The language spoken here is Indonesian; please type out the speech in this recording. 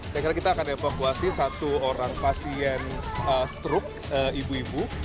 saya kira kita akan evakuasi satu orang pasien struk ibu ibu